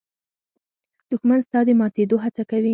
دښمن ستا د ماتېدو هڅه کوي